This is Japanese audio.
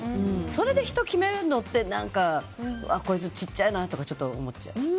それで人を決めるのってこいつ、小さいなってちょっと思っちゃう。